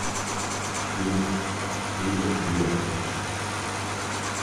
ils, ils lûrent.